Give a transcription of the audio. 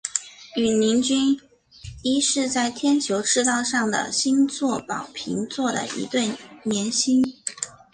羽林军一是在天球赤道上的星座宝瓶座的一对联星。